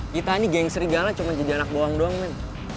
kita ini geng serigala cuma jadi anak bawang doang nih